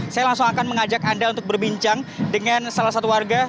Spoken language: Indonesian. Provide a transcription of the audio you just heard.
saya langsung akan mengajak anda untuk berbincang dengan salah satu warga